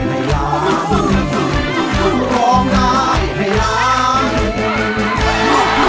มูลค่า๔๐๐๐๐บาท